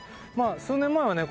数年前はね